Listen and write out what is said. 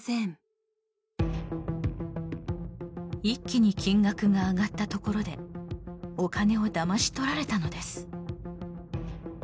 一気に金額が上がったところでお金をだまし取られたのです。